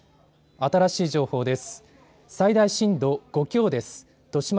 新しい情報です。